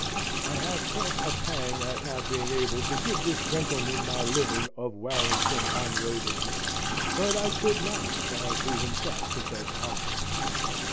I had felt a pang at not being able to give this gentleman my living of Warrington on Waveney, but I could not, as he himself confessed honestly.